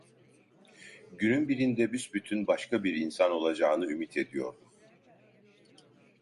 Günün birinde büsbütün başka bir insan olacağını ümit ediyordum.